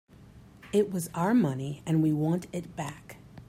It was our money and we want it back.